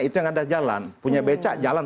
itu yang anda jalan punya beca jalan